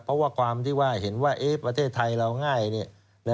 เพราะว่าความที่ว่าเห็นว่าประเทศไทยเราง่าย